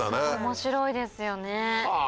面白いですよね。